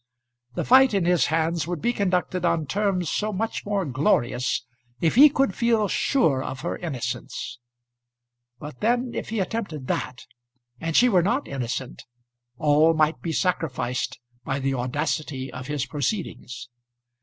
The fight in his hands would be conducted on terms so much more glorious if he could feel sure of her innocence. But then if he attempted that, and she were not innocent, all might be sacrificed by the audacity of his proceedings.